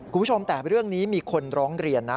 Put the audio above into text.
คุณผู้ชมแต่เรื่องนี้มีคนร้องเรียนนะ